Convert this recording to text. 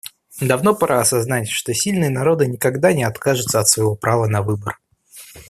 Давно пора осознать, что сильные народы никогда не откажутся от своего права на выбор.